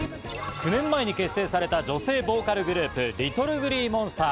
９年前に結成された女性ボーカルグループ、ＬｉｔｔｌｅＧｌｅｅＭｏｎｓｔｅｒ。